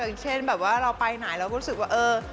อย่างเช่นแบบว่าเราไปไหนเราก็รู้สึกว่าเออ